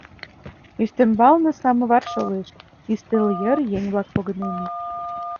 Ӱстембалне самовар шолеш, ӱстел йыр еҥ-влак погыненыт.